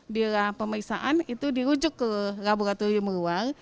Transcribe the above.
di pemeriksaan itu dirujuk ke laboratorium luar